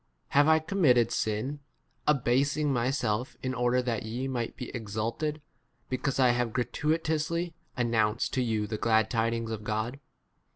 k Have T committed sin, abasing myself in order that ye might be exalted, because I have gratuitously announced to 8 you the glad tidings of God